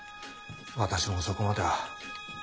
私もそこまでは。